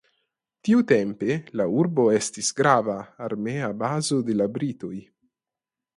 Tiutempe La urbo estis grava armea bazo de la britoj.